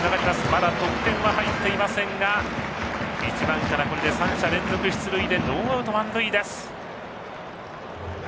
まだ得点は入っていませんが１番から３者連続出塁でノーアウト満塁です。